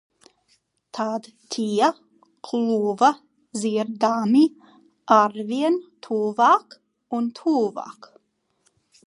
Tad tie kļuva dzirdami arvien tuvāk un tuvāk.